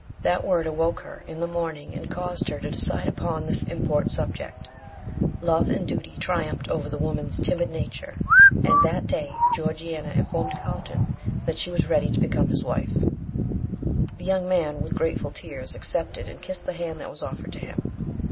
That word awoke her in the morning, and caused her to decide upon this import subject. Love and duty triumphed over the woman's timid nature, and that day Georgiana informed Carlton that she was ready to become his wife. The young man, with grateful tears, accepted and kissed the hand that was offered to him.